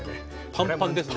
パンパンですね。